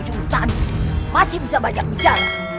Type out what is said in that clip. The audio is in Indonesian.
siapa yang mau menyelamatkannya